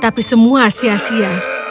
tapi semua sia sia